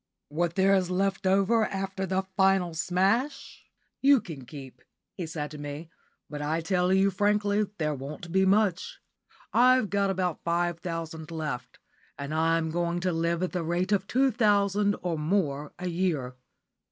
"What there is left over after the final smash you can keep," said he to me; "but I tell you frankly there won't be much. I've got about five thousand left, and I'm going to live at the rate of two thousand or more a year.